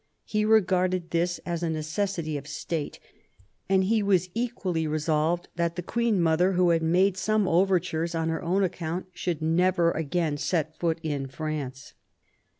He regarded this as a necessity" of State, and he was equally resolved that the Queen mother, who had made some overtures on her own account, should never again set foot in France.